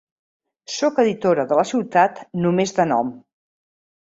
Soc editora de la ciutat només de nom.